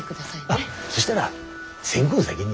あっそしたら線香先に。